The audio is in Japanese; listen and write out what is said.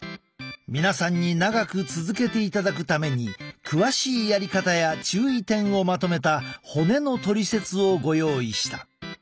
皆さんに長く続けていただくために詳しいやり方や注意点をまとめた骨のトリセツをご用意した。